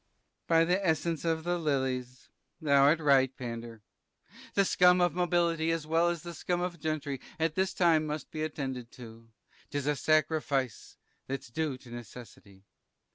Sir B. By the essence of lillies, thou'rt right, Pander; the scum of mobility, as well as the scum of gentry, at this time, must be attended to; 'tis a sacrifice that's due to necessity.